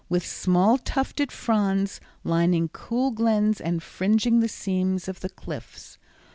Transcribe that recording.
with small tufted fronds, lining cool glens and fringing the seams of the cliffs.